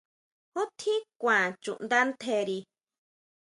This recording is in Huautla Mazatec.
¿Ju tjín kuan chuʼnda ntjeri?